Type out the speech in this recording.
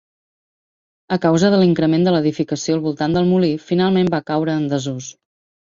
A causa de l'increment de l'edificació al voltant del molí, finalment va caure en desús.